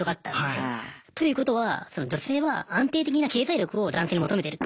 ということは女性は安定的な経済力を男性に求めてると。